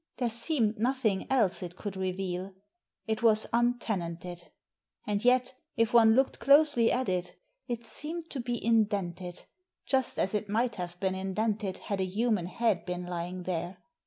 There seemed nothing else it could re veal. It was untenanted. And yet, if one looked closely at it, it seemed to be indented, just as it might have been indented had a human head been lying there.